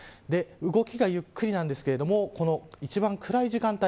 動きがゆっくりなんですけれども一番暗い時間帯